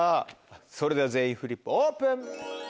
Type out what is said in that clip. それでは全員フリップオープン。